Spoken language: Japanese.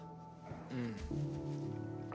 うん。